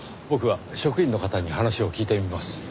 僕は職員の方に話を聞いてみます。